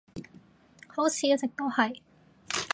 好似一直都係